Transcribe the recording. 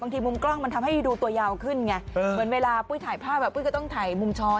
ทีมุมกล้องมันทำให้ดูตัวยาวขึ้นไงเหมือนเวลาปุ้ยถ่ายภาพอ่ะปุ้ยก็ต้องถ่ายมุมช้อน